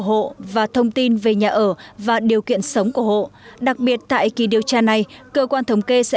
hộ và thông tin về nhà ở và điều kiện sống của hộ đặc biệt tại kỳ điều tra này cơ quan thống kê sẽ